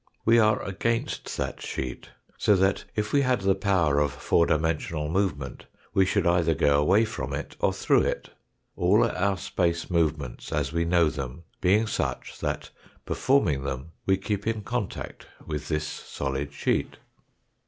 We are against that sheet, so that, if we had the power of four dimensional movement, we should either go away from it or through it ; all our space movements as we know them being such that, performing them, we keep in contact with this solid sheet.